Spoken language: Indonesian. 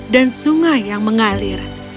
dan sungai yang mengalir